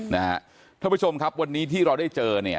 ท่านผู้ชมครับวันนี้ที่เราได้เจอเนี่ย